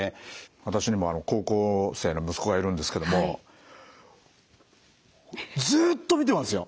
私にも高校生の息子がいるんですけどもずっと見てますよ！